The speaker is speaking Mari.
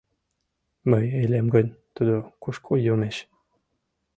— Мый илем гын, тудо кушко йомеш?